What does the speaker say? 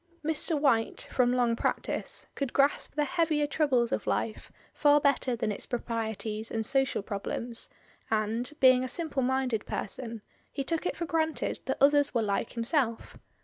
Mr. White, from long practice, could grasp the heavier troubles of life far better than its proprieties 174 MI^ DYMOND. and social problems, and, being a simple minded person, he took it for granted that others were like himself.